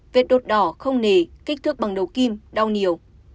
vết đốt đỏ không nề kích thước bằng đầu kim đau nhiều